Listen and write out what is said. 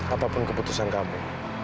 apapun keputusan kamu